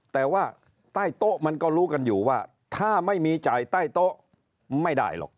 แต่ว่าใต้โต๊ะมันก็รู้กันอยู่ว่าถ้าไม่มีจ่ายใต้โต๊ะไม่ได้หรอก